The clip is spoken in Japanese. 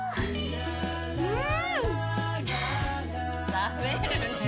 食べるねぇ。